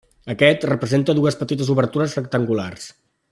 Aquest presenta dues petites obertures rectangulars.